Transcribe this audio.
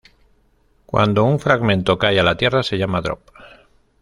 Cuando un fragmento cae a la Tierra se llama ""Drop"".